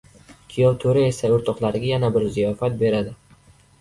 Kuyov to‘ra esa o‘rtoqlariga yana bir ziyofat beradi